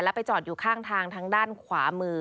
ไปจอดอยู่ข้างทางทางด้านขวามือ